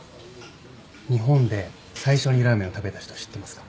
日本で最初にラーメンを食べた人知ってますか？